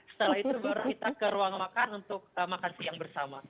setelah itu baru kita ke ruang makan untuk makan siang bersama